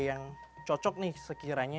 yang cocok nih sekiranya